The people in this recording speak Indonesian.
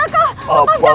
raka lepaskan aku